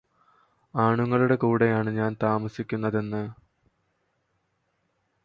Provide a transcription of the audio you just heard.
ആണുങ്ങളുടെ കൂടെയാണ് ഞാന് താമസിക്കുന്നതെന്ന്